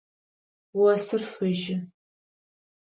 Осыр фыжьы.